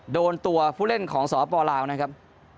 โดนตัวผู้เล่นของสปลาวนะครับ